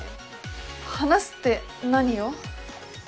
話すって何を？